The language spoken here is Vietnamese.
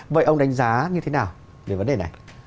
vậy ông đánh giá như thế nào về vấn đề này